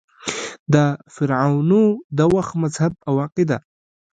د فرعنوو د وخت مذهب او عقیده :